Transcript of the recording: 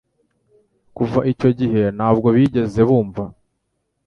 Kuva icyo gihe ntabwo bigeze bumva